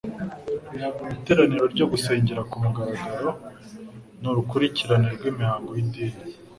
Iteraniro ryo gusengera ku mugaragaro n'urukurikirane rw'imihango y'idini,